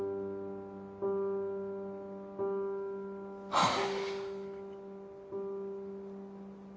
はあ。